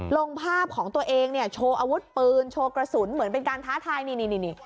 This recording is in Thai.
ลงภาพของตัวเองเนี่ยโชว์อาวุธปืนโชว์กระสุนเหมือนเป็นการท้าทายนี่นี่